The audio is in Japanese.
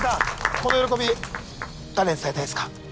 この喜び誰に伝えたいですか？